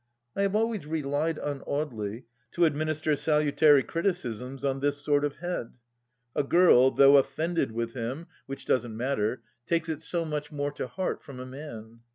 I have always relied on Audely to administer salutary criticisms on this sort of head. A girl, though offended with him, which THE LAST DITCH 59 doesn't matter, takes it so much more to heart from a man.